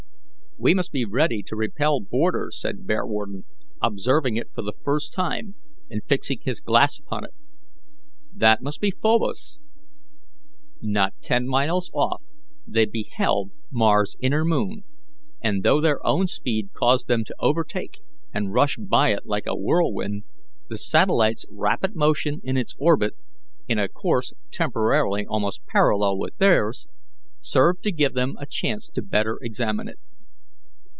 "We must be ready to repel boarders," said Bearwarden, observing it for the first time and fixing his glass upon it. "That must be Phobos." Not ten miles off they beheld Mars's inner moon, and though their own speed caused them to overtake and rush by it like a whirlwind, the satellite's rapid motion in its orbit, in a course temporarily almost parallel with theirs, served to give them a chance the better to examine it.